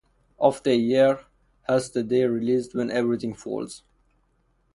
After a year, Haste the Day released "When Everything Falls".